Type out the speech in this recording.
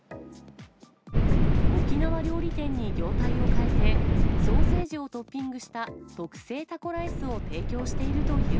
沖縄料理店に業態を変えて、ソーセージをトッピングした特製タコライスを提供しているという